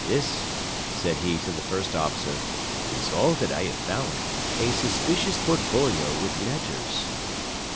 "This," said he to the first officer, "is all that I have found; a suspicious portfolio with letters."